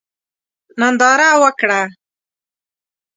ننداره وکړه.